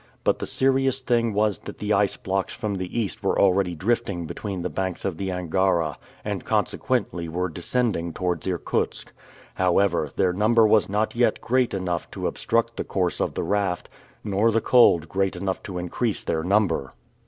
But the serious thing was that the ice blocks from the East were already drifting between the banks of the Angara, and consequently were descending towards Irkutsk. However, their number was not yet great enough to obstruct the course of the raft, nor the cold great enough to increase their number.